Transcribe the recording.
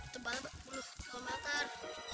tebal berpuluh kilometer